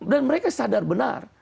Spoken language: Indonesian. dan mereka sadar benar